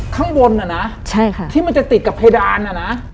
ข้างบนอะนะที่มันจะติดกับเพดานอะนะใช่ค่ะ